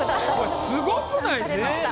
これすごくないですか？